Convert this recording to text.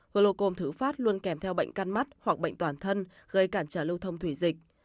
glocom thử phát luôn kèm theo bệnh căn mắt hoặc bệnh toàn thân gây cản trở lưu thông thủy dịch